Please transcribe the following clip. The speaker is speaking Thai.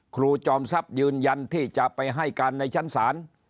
จอมทรัพย์ยืนยันที่จะไปให้การในชั้นศาล